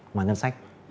ngoài ngân sách